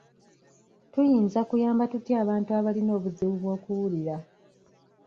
Tuyinza kuyamba tutya abantu abalina obuzibu bw'okuwulira?